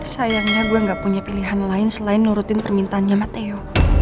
sayangnya gue gak punya pilihan lain selain nurutin permintaannya mateo